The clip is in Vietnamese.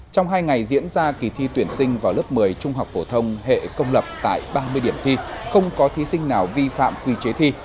trong hai ngày diễn ra kỳ thi tuyển sinh vào lớp một mươi trung học phổ thông hệ công lập tại ba mươi điểm thi không có thí sinh nào vi phạm quy chế thi